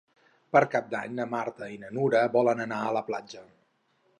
Per Cap d'Any na Marta i na Nura volen anar a la platja.